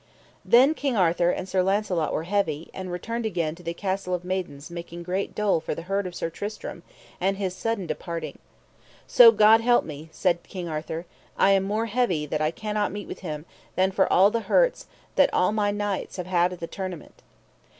Then King Arthur and Sir Launcelot were heavy, and returned again to the Castle of Maidens making great dole for the hurt of Sir Tristram, and his sudden departing. So God me help, said King Arthur, I am more heavy that I cannot meet with him than for all the hurts that all my knights have had at the tournament.